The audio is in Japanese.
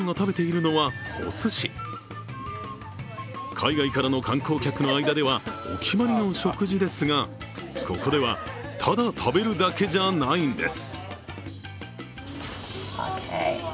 海外からの観光客の間ではお決まりの食事ですがここでは、ただ食べるだけじゃないんです。